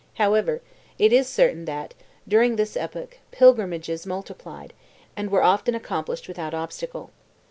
However, it is certain that, during this epoch, pilgrimages multiplied, and were often accomplished without obstacle.